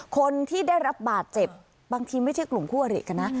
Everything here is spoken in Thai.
คนที่ได้รับบาดเจ็บบางทีไม่ใช่กลุ่มคู่อริกันนะ